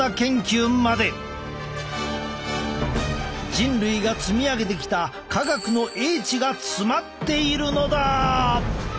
人類が積み上げてきた科学の叡智が詰まっているのだ！